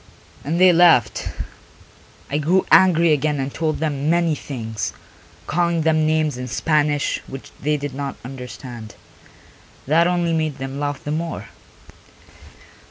And they laughed; I grew angry again and told them many things, calling them names in Spanish, which they did not understand. That only made them laugh the more.